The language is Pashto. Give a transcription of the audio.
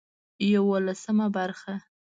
يولسمه برخه